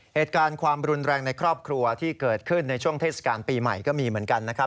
เหตุการณ์ความรุนแรงในครอบครัวที่เกิดขึ้นในช่วงเทศกาลปีใหม่ก็มีเหมือนกันนะครับ